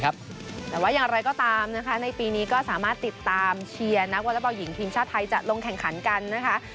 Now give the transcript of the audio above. แต่ว่าอย่างไรก็ตามนะคะในปีนี้ก็สามารถติดตามเชียร์นักวอเล็กบอลหญิงทีมชาติไทยจะลงแข่งขันกันนะคะ